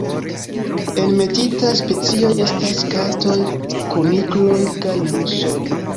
Enmetitaj specioj estas katoj, kunikloj kaj musoj.